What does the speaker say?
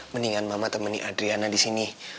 mendingan mama temani adriana di sini